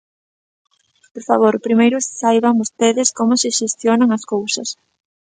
¡Por favor!, primeiro saiban vostedes como se xestionan as cousas.